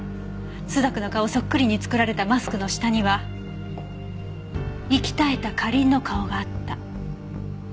「朱雀の顔そっくりに作られたマスクの下には息絶えた花凛の顔があった」